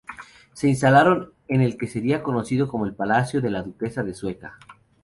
Se instalaron en el que sería conocido como palacio de la Duquesa de Sueca.